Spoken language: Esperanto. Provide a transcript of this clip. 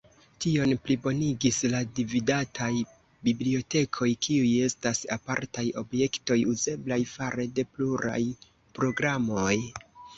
Tion plibonigis la "dividataj" bibliotekoj, kiuj estas apartaj objektoj uzeblaj fare de pluraj programoj.